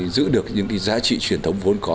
giữ được những cái giá trị truyền thống vốn có